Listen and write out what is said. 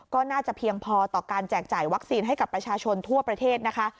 ก็น่าจะเพียงพอต่อการแจกจ่ายวัคซีนให้กับประชาชนทั่วประเทศนะคะ